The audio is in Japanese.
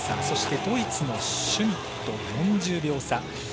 そして、ドイツのシュミット４０秒差。